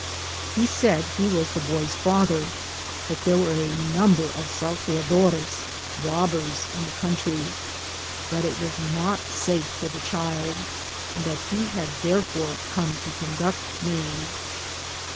He said he was the boy's father, that there were a number of ^^ saltea dores'^ (robbers) in the country — that it was not safe for the child, and that he had therefore come to conduct me.